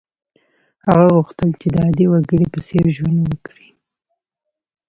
هغه غوښتل چې د عادي وګړي په څېر ژوند وکړي.